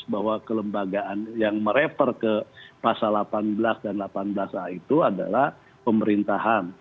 bahwa kelembagaan yang merefer ke pasal delapan belas dan delapan belas a itu adalah pemerintahan